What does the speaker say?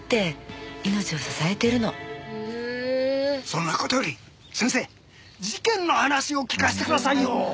そんな事より先生事件の話を聞かせてくださいよ。